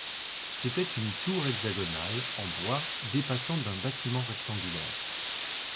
C'était une tour hexagonale en bois dépassant d'un bâtiment rectangulaire.